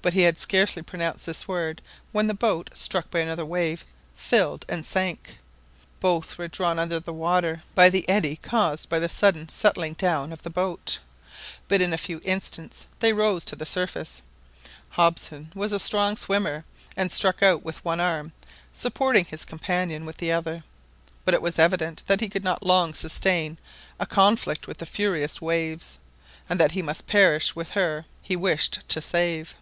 But he had scarcely pronounced this word when the boat, struck by another wave, filled and sank. Both were drawn under water by the eddy caused by the sudden settling down of the boat, but in a few instants they rose to the surface. Hobson was a strong swimmer, and struck out with one arm, supporting his companion with the other. But it was evident that he could not long sustain a conflict with the furious waves, and that he must perish with her he wished to save.